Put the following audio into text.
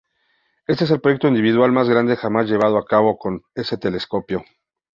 Este es el proyecto individual más grande jamás llevado a cabo con ese telescopio.